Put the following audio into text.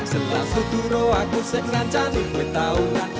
setelah suku ruangku sekanan jalin mintaungan